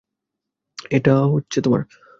এটা তোমার।